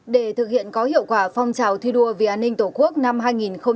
để thực hiện có hiệu quả phong trào thi đua vì an ninh tổ quốc năm hai nghìn hai mươi bốn